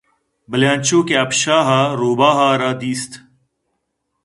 بلے انچو کہ ہپشاہءَروباہءَرا دیست